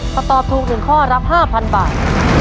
ถ้าตอบถูก๑ข้อรับ๕๐๐บาท